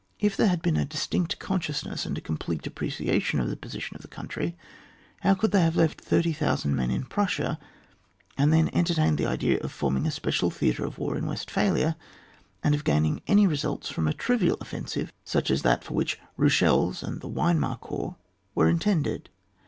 If there had been a distinct conscious ness and a complete appreciation of the position of the country, how could they have left 30,000 men in Prussia, and then entertained the idea of forming a special theatre of war in Westphalia, and of gaining any results from a trivial offensive such as that for which Eiichel's and the Weimar corps were intended?